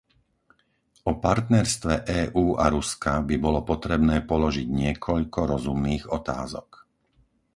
O partnerstve EÚ a Ruska by bolo potrebné položiť niekoľko rozumných otázok.